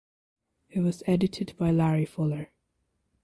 It was edited by Larry Fuller.